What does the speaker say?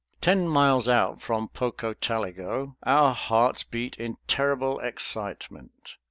Ten miles out from Pocotaligo our hearts beat in terrible excitement.